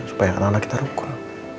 supaya anak anak kita ruka